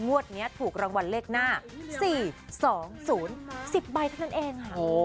งวดนี้ถูกรางวัลเลขหน้า๔๒๐๑๐ใบเท่านั้นเองค่ะ